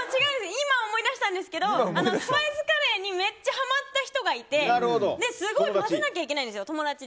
今、思い出したんですけどスパイスカレーにめっちゃハマった人がいてすごい混ぜなきゃいけないんです。